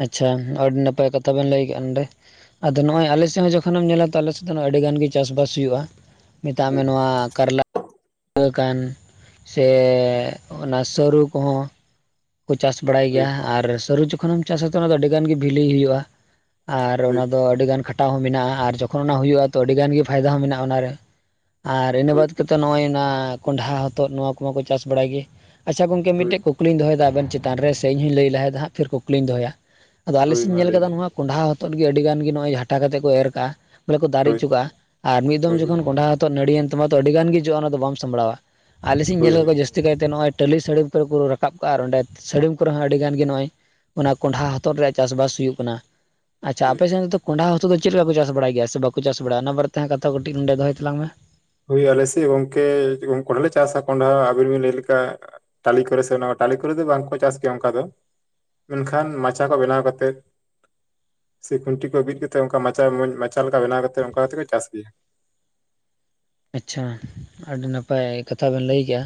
ᱟᱪᱪᱷᱟ, ᱟᱹᱰᱤ ᱱᱟᱯᱟᱭ ᱠᱟᱛᱷᱟ ᱵᱮᱱ ᱞᱟᱹᱭ ᱠᱮᱜᱼᱟ, ᱱᱚᱰᱮ ᱟᱫᱚ ᱱᱚᱜᱼᱚᱭ ᱟᱞᱮᱥᱮᱜ ᱦᱚᱸ ᱡᱚᱠᱷᱚᱱᱮᱢ ᱧᱮᱞᱟ ᱛᱚ ᱟᱞᱮ ᱥᱮᱫ ᱫᱚ ᱟᱹᱰᱤ ᱜᱟᱱ ᱜᱤ ᱪᱟᱥᱵᱟᱥ ᱦᱩᱭᱩᱜᱼᱟ᱾ ᱢᱮᱛᱟᱜ ᱦᱳᱭ ᱢᱮ ᱱᱚᱣᱟ ᱠᱟᱨᱞᱟ [inaudible] ᱠᱟᱱ ᱥᱮ ᱚᱱᱟ ᱥᱟᱹᱨᱩ ᱠᱚᱦᱚᱸ ᱠᱚ ᱪᱟᱥ ᱵᱟᱲᱟᱭ ᱦᱳᱭ ᱜᱮᱭᱟ ᱟᱨ ᱥᱟᱹᱨᱩ ᱡᱚᱠᱷᱚᱱᱮᱢ ᱪᱟᱥᱟ ᱟᱫᱚ ᱚᱱᱟ ᱫᱚ ᱟᱹᱰᱤ ᱜᱟᱱ ᱜᱤ ᱵᱷᱤᱞᱤ ᱦᱩᱭᱩᱜᱼᱟ᱾ ᱟᱨ ᱦᱳᱭ ᱚᱱᱟ ᱫᱚ ᱟᱹᱰᱤᱜᱟᱱ ᱠᱷᱟᱴᱟᱣ ᱦᱚᱸ ᱢᱮᱱᱟᱜᱼᱟ ᱟᱨ ᱡᱚᱠᱷᱚᱱ ᱚᱱᱟ ᱦᱩᱭᱩᱜᱼᱟ ᱛᱚ ᱟᱹᱰᱤ ᱜᱟᱱ ᱜᱮ ᱯᱷᱟᱭᱫᱟ ᱦᱚᱸ ᱢᱮᱱᱟᱜᱼᱟ ᱚᱱᱟᱨᱮ᱾ ᱟᱨ ᱤᱱᱟᱹ ᱦᱳᱭ ᱵᱟᱫ ᱠᱟᱛᱮᱜ ᱱᱚᱜᱼᱚᱭ ᱚᱱᱟ ᱠᱚᱸᱰᱷᱟ ᱦᱚᱛᱚᱫ ᱱᱚᱣᱟ ᱠᱚᱢᱟ ᱠᱚ ᱪᱟᱥ ᱵᱟᱲᱟᱭ ᱜᱮ, ᱟᱪᱪᱷᱟ ᱜᱚᱝᱠᱮ ᱦᱳᱭ ᱢᱤᱫᱴᱮᱡ ᱠᱩᱠ ᱠᱞᱤᱧ ᱫᱚᱦᱚᱭᱫᱟ ᱟᱵᱮᱱ ᱪᱮᱛᱟᱱ ᱨᱮ ᱥᱮ ᱤᱧ ᱦᱚᱸᱧ ᱞᱟᱹᱭ ᱞᱟᱦᱟᱭᱫᱟ ᱦᱟᱸᱜ ᱯᱷᱤᱨ ᱠᱩᱠᱞᱤᱧ ᱫᱚᱦᱚᱭᱟ, ᱟᱫᱚ ᱟᱞᱮ ᱦᱳᱭ ᱥᱤᱫ ᱤᱧ ᱢᱟ ᱧᱮᱞ ᱞᱟᱹᱭ ᱠᱟᱫᱟ ᱵᱤᱱ ᱱᱚᱣᱟ ᱠᱚᱸᱰᱷᱟ ᱦᱚᱛᱚᱫ ᱜᱮ ᱟᱹᱰᱤ ᱜᱟᱱ ᱜᱮ ᱱᱚᱜᱼᱚᱭ ᱡᱷᱟᱴᱟ ᱠᱟᱛᱮᱫ ᱠᱚ ᱮᱨ ᱠᱟᱜᱼᱟ᱾ ᱵᱚᱞᱮ ᱠᱚ ᱫᱟᱨᱮ ᱦᱳᱭ ᱦᱚᱪᱚ ᱠᱟᱜᱼᱟ ᱟᱨ ᱢᱤᱫ ᱫᱚᱢ ᱦᱳᱭ ᱡᱚᱠᱷᱚᱱ ᱠᱚᱸᱰᱷᱟ ᱦᱚᱛᱚᱫ ᱱᱟᱹᱲᱤᱭᱮᱱ ᱛᱟᱢᱟ ᱛᱚ ᱟᱹᱰᱤ ᱜᱟᱱ ᱜᱮ ᱡᱚᱜᱼᱟ ᱚᱱᱟ ᱫᱚ ᱵᱟᱢ ᱥᱟᱢᱵᱽᱲᱟᱣᱟ᱾ ᱟᱞᱮ ᱥᱮᱫ ᱤᱧ ᱧᱮᱞ ᱦᱳᱭ ᱠᱟᱜ ᱠᱚᱣᱟ ᱡᱟᱹᱥᱛᱤ ᱠᱟᱭᱛᱮ ᱱᱚᱜᱼᱚᱭ ᱴᱟᱹᱞᱤ ᱥᱟᱹᱲᱤᱢ ᱠᱚᱨᱮ ᱠᱚ ᱨᱟᱠᱟᱵ ᱠᱟᱜᱼᱟ ᱟᱨ ᱚᱸᱰᱮ ᱥᱟᱹᱲᱤᱢ ᱠᱚᱨᱮ ᱦᱚᱸ ᱟᱹᱰᱤ ᱜᱟᱱ ᱜᱮ ᱱᱚᱜᱼᱚᱭ ᱚᱱᱟ ᱠᱚᱸᱰᱷᱟ ᱦᱚᱛᱚᱫ ᱨᱮᱭᱟᱜ ᱪᱟᱥᱵᱟᱥ ᱦᱩᱭᱩᱜ ᱠᱟᱱᱟ᱾ ᱟᱪᱪᱷᱟ ᱦᱳᱭ ᱟᱯᱮ ᱥᱮᱱ ᱫᱚ ᱠᱚᱸᱰᱷᱟ ᱦᱚᱛᱚᱫ ᱫᱚ ᱪᱮᱫ ᱞᱮᱠᱟ ᱠᱚ ᱪᱟᱥ ᱵᱟᱲᱟᱭ ᱜᱮᱭᱟ ᱥᱮ ᱵᱟᱠᱚ ᱪᱟᱥ ᱵᱟᱲᱟ ᱚᱱᱟ ᱵᱟᱨᱮ ᱛᱮ ᱦᱟᱸᱜ ᱠᱟᱛᱷᱟ ᱠᱚ ᱠᱟᱹᱴᱤᱡ ᱱᱚᱸᱰᱮ ᱫᱚᱦᱚᱭ ᱛᱟᱞᱟᱝ ᱢᱮ᱾ ᱦᱳᱭ ᱟᱞᱮ ᱥᱮᱫ ᱜᱚᱝᱠᱮ ᱠᱚᱸᱰᱷᱟ ᱞᱮ ᱪᱟᱥᱟ ᱠᱚᱸᱰᱷᱟ ᱟᱵᱤᱱ ᱵᱤᱱ ᱞᱟᱹᱭ ᱞᱮᱠᱟ ᱴᱟᱹᱞᱤ ᱠᱚᱨᱮ ᱥᱮ ᱚᱱᱟ ᱴᱟᱹᱞᱤ ᱠᱚᱨᱮ ᱫᱚ ᱵᱟᱝᱠᱚ ᱪᱟᱥ ᱜᱮᱭᱟ ᱚᱝᱠᱟ ᱫᱚ᱾ ᱢᱮᱱᱠᱷᱟᱱ ᱢᱟᱪᱟ ᱠᱚ ᱵᱮᱱᱟᱣ ᱠᱟᱛᱮᱫ ᱥᱮ ᱠᱷᱩᱱᱴᱤ ᱠᱚ ᱵᱤᱫ ᱠᱟᱛᱮ ᱚᱱᱠᱟ ᱢᱟᱪᱟ ᱢᱚᱡᱽ ᱢᱟᱪᱟ ᱞᱮᱠᱟ ᱵᱮᱱᱟᱣ ᱠᱟᱛᱮ ᱚᱱᱠᱟ ᱠᱟᱛᱮ ᱠᱚ ᱪᱟᱥ ᱜᱮᱭᱟ᱾ ᱟᱪᱪᱷᱟ, ᱟᱹᱰᱤ ᱱᱟᱯᱟᱭ ᱠᱟᱛᱷᱟ ᱵᱮᱱ ᱞᱟᱹᱭ ᱠᱮᱜᱼᱟ᱾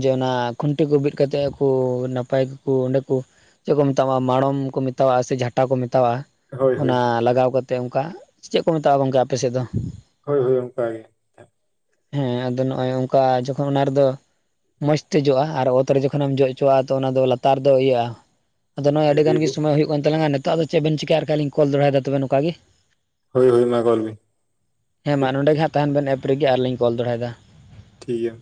ᱡᱮ ᱚᱱᱟ ᱠᱷᱩᱱᱴᱤ ᱠᱚ ᱵᱤᱫ ᱠᱟᱛᱮᱫ ᱠᱚ ᱱᱟᱯᱟᱭ ᱜᱮᱠᱚ ᱚᱸᱰᱮ ᱠᱚ ᱪᱮᱫ ᱠᱚ ᱢᱮᱛᱟᱣᱟᱜᱼᱟ ᱢᱟᱲᱚᱢ ᱠᱚ ᱢᱮᱛᱟᱣᱟᱜᱼᱟ ᱥᱮ ᱡᱷᱟᱴᱟ ᱠᱚ ᱢᱮᱛᱟᱣᱟᱜᱼᱟ? ᱦᱳᱭ ᱚᱱᱟ ᱦᱳᱭ ᱞᱟᱜᱟᱣ ᱠᱟᱛᱮᱫ ᱚᱱᱠᱟ, ᱪᱮᱫ ᱠᱚ ᱢᱮᱛᱟᱜᱼᱟ ᱜᱚᱝᱠᱮ ᱟᱯᱮ ᱥᱮᱫ ᱫᱚ? ᱦᱳᱭ ᱦᱳᱭ ᱚᱱᱠᱟ ᱜᱮ᱾ ᱦᱮᱸ ᱟᱫᱚ ᱱᱚᱜᱼᱚᱭ ᱚᱱᱠᱟ ᱡᱚᱠᱷᱚᱱ ᱚᱱᱟ ᱨᱮᱫᱚ ᱢᱚᱸᱡᱽ ᱛᱮ ᱡᱚᱜᱼᱟ ᱟᱨ ᱚᱛ ᱨᱮ ᱡᱚᱠᱷᱚᱱᱮᱢ ᱡᱚ ᱦᱚᱪᱚᱣᱟᱜᱼᱟ ᱛᱚ ᱚᱱᱟ ᱫᱚ ᱞᱟᱛᱟᱨ ᱫᱚ ᱤᱭᱟᱹᱜᱼᱟ᱾ ᱟᱫᱚ ᱱᱚᱜ-ᱚᱭ ᱦᱳᱭ ᱟᱹᱰᱤ ᱜᱟᱱ ᱦᱳᱭ ᱜᱮ ᱥᱚᱢᱚᱭ ᱦᱩᱭᱩᱜ ᱠᱟᱱ ᱛᱟᱞᱟᱝᱟ ᱱᱮᱛᱳᱜ ᱟᱫᱚ ᱪᱮᱫ ᱵᱮᱱ ᱪᱮᱠᱟᱭᱟ ᱟᱨ ᱵᱟᱠᱷᱟᱡ ᱞᱤᱧ ᱠᱚᱞ ᱫᱚᱲᱦᱟᱭᱮᱫᱟ ᱛᱚᱵᱮ ᱱᱚᱝᱠᱟ ᱜᱮ᱾ ᱦᱳᱭ ᱦᱳᱭ ᱢᱟ ᱠᱚᱞ ᱵᱤᱱ ᱴᱷᱤᱠ ᱦᱮᱸᱢᱟ ᱱᱚᱸᱰᱮ ᱜᱮ ᱦᱟᱸᱜ ᱛᱟᱦᱮᱱ ᱵᱮᱱ ᱮᱯ ᱨᱮᱜᱮ ᱟᱨᱞᱤᱧ ᱠᱚᱞ ᱫᱚᱲᱦᱟᱭᱮᱫᱟ᱾ ᱴᱷᱤᱠ ᱜᱮᱭᱟ᱾